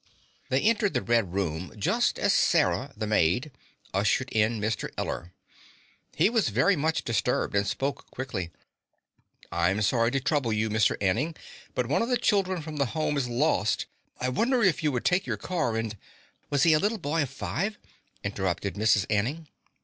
They entered the red room just as Sarah, the maid, ushered in Mr. Eller. He was very much disturbed and spoke quickly. "I'm sorry to trouble you, Mr. Anning, but one of the children from the Home is lost. I wonder if you would take your car and " "Was he a little boy of five?" interrupted Mrs. Anning.